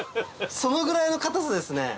そのぐらいの硬さですね。